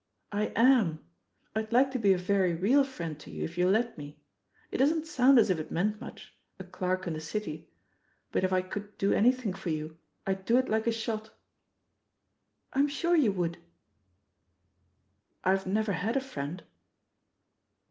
'* I am. I'd like to be a very real friend to you if you'll let me. It doesn't sound as if it meant much — ^a clerk in the City — but if I could do anything for you, I'd do it like a shot." "I'm sure you would." "I've never had a friend."